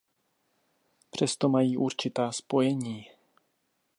Přesto mají určitá spojení.